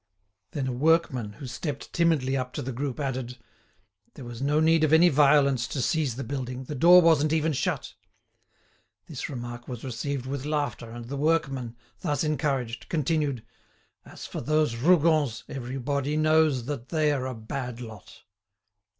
Then a workman, who stepped timidly up to the group, added: "There was no need of any violence to seize the building; the door wasn't even shut." This remark was received with laughter, and the workman, thus encouraged, continued: "As for those Rougons, everybody knows that they are a bad lot."